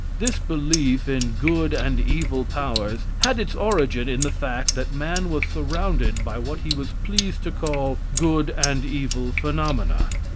This belief in good and evil powers had its origin in the fact that man was surrounded by what he was pleased to call good and evil phenomena.